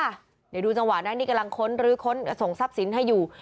เดี๋ยวดูจังหวะนั้นนี่กำลังค้นรื้อค้นส่งทรัพย์สินให้อยู่